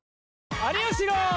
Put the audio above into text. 有吉の。